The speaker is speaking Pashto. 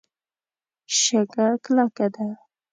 شګه کلکه ده.